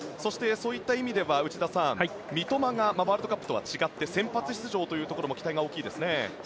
そういった意味では内田さん、三笘がワールドカップとは違って先発出場というところも期待が大きいですね。